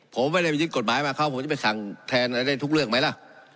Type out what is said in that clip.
ผมไม่ได้ไปยึดกฎหมายมาเขาผมจะไปสั่งแทนอะไรได้ทุกเรื่องไหมล่ะ